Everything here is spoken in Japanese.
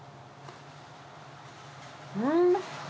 うん！